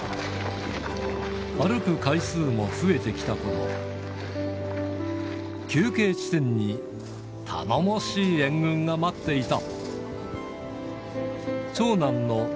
歩く回数も増えてきたころ、休憩地点に頼もしい援軍が待っていた。